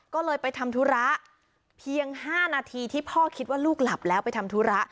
ก็เลยไปทำธุระเพียง๕นาทีที่พ่อคิดว่าลูกหลับแล้วไปทำธุระ